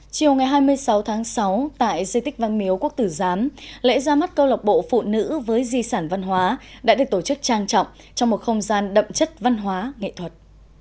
chiều ngày hai mươi sáu tháng sáu tại di tích văn miếu quốc tử giám lễ ra mắt câu lọc bộ phụ nữ với di sản văn hóa đã được tổ chức trang trọng trong một không gian đậm chất văn hóa nghệ thuật